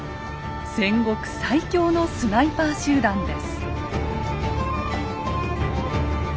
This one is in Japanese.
戦国最強のスナイパー集団です。